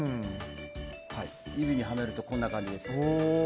指にはめるとこんな感じです。